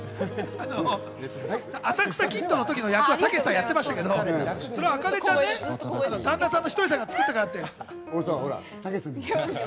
『浅草キッド』のときの役はたけしさんやってましたけど、あかねちゃん旦那さんのひとりさんが作ったからって。